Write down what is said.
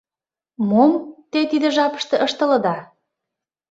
Мом те тиде жапыште ыштылыда?